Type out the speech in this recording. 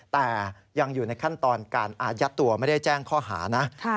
แต่ยังอยู่ในขั้นตอนการอายัดตัวไม่ได้แจ้งข้อหานะ